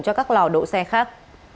các lò độ xe khác